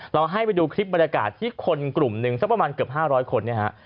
เราให้ไปดูคลิปบรรยากาศที่คนกลุ่มหนึ่งสักประมาณเกือบ๕๐๐คนเนี่ยฮะ